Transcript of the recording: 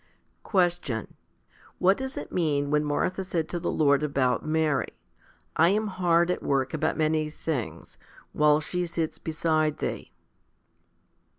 1 6. Question. What does it mean when Martha said to the Lord about Mary, " I am hard at work about many things, while she sits beside Thee"?